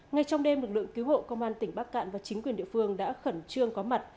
ngay trong đêm lực lượng cứu hộ công an tỉnh bắc cạn và chính quyền địa phương đã khẩn trương có mặt